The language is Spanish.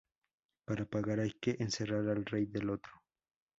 Para ganar hay que encerrar al rey del otro"".